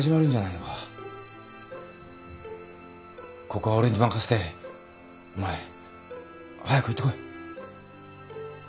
ここは俺に任せてお前早く行って来い。